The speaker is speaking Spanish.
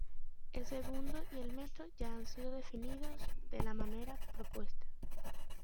El segundo y el metro ya han sido definidos de la manera propuesta.